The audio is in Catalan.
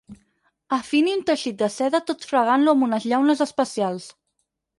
Afini un teixit de seda tot fregant-lo amb unes llaunes especials.